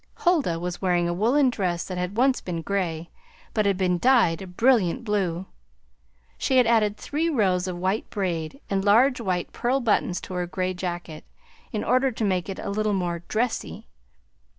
Huldah was wearing a woolen dress that had once been gray, but had been dyed a brilliant blue. She had added three rows of white braid and large white pearl buttons to her gray jacket, in order to make it a little more "dressy."